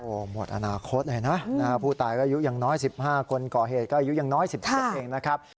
หมดอนาคตเลยนะผู้ตายก็อายุยังน้อย๑๕คนก่อเหตุก็อายุยังน้อย๑๖เองนะครับ